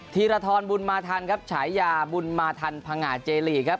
ธีรทรบุญมาทันครับฉายาบุญมาทันพังงาเจลีกครับ